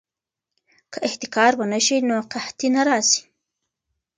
که احتکار ونه شي نو قحطي نه راځي.